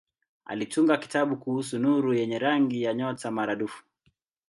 Alitunga kitabu kuhusu nuru yenye rangi ya nyota maradufu.